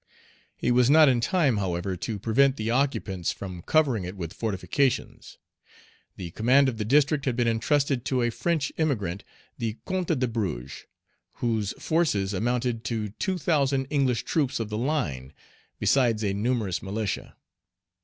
He was not in time, however, to prevent the occupants from covering it with fortifications. The command of the district had been intrusted to a French emigrant, the Count de Bruges, whose forces amounted to two thousand English troops of the line, besides a numerous militia.